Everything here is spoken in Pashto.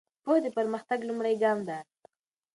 پوهه د پرمختګ لومړی ګام ده.